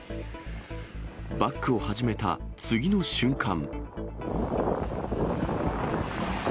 バックを始めた次の瞬間。